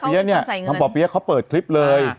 เพราะว่าทางป่อเปี๊ยเขาเปิดคลิปเลย